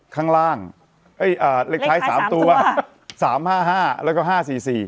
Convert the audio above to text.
ข้างล่างเอ้ยอ่าเลขท้ายสามตัวสามห้าห้าแล้วก็ห้าสี่สี่